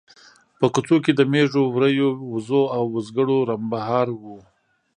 په کوڅو کې د مېږو، وريو، وزو او وزګړو رمبهار و.